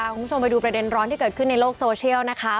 คุณผู้ชมไปดูประเด็นร้อนที่เกิดขึ้นในโลกโซเชียลนะคะ